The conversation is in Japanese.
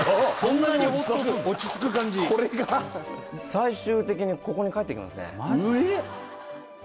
最終的にここに帰ってきますね